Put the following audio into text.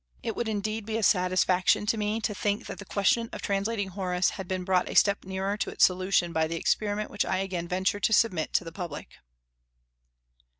It would indeed be a satisfaction to me to think that the question of translating Horace had been brought a step nearer to its solution by the experiment which I again venture to submit to the public.